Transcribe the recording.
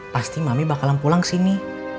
pasti mami bakalan pulang kesini